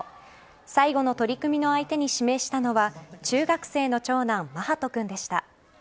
最後の取り組みの相手に指名したのは中学生の長男・眞羽人君でした。